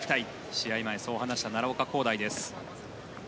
試合前にそう話した奈良岡功大です。